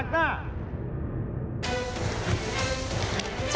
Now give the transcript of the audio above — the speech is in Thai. ชูวิทย์ตีแสกหน้า